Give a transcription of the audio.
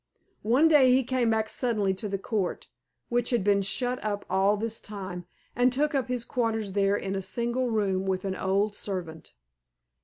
One day he came back suddenly to the Court, which had been shut up all this time, and took up his quarters there in a single room with an old servant.